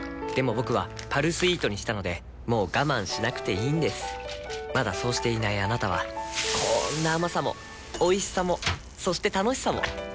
僕は「パルスイート」にしたのでもう我慢しなくていいんですまだそうしていないあなたはこんな甘さもおいしさもそして楽しさもあちっ。